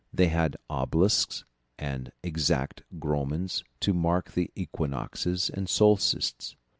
They had obelisks and exact gnomons to mark the equinoxes and solstices.